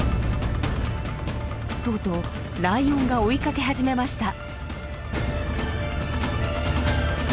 とうとうライオンが追いかけ始めました。